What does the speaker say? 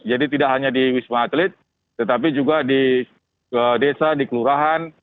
jadi tidak hanya di wisma atlet tetapi juga di desa di kelurahan